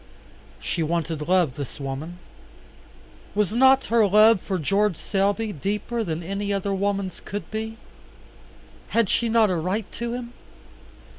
She wanted love, this woman. Was not her love for George Selby deeper than any other woman's could be? Had she not a right to him?